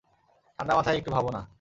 ঠাণ্ডা মাথায় একটু ভাবো না।